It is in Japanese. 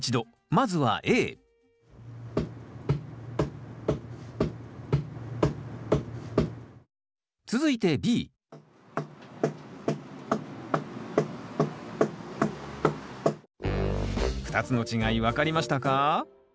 まずはＡ続いてＢ２つの違い分かりましたか？